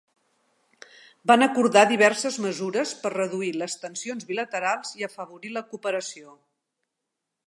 Van acordar diverses mesures per reduir les tensions bilaterals i afavorir la cooperació.